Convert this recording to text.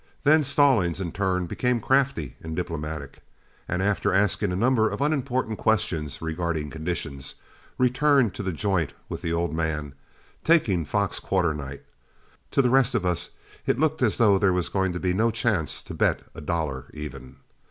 Then Stallings in turn became crafty and diplomatic, and after asking a number of unimportant questions regarding conditions, returned to the joint with the old man, taking Fox Quarternight. To the rest of us it looked as though there was going to be no chance to bet a dollar even.